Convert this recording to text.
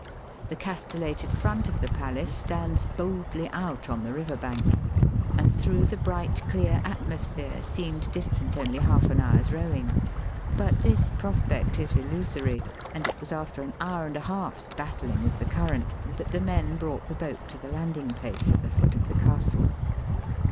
The castellated front of the palace stands boldly out on the river bank, and through the bright clear atmosphere seemed distant only half an hour's rowing. But this prospect is illusory, and it was after an hour and a half s battling with the current that the men brought the boat to the landing ^ place at the foot of the castle.